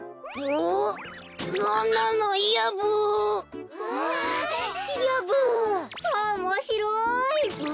おもしろいブ。